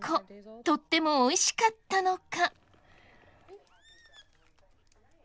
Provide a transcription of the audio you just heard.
とっても美味しかったのか。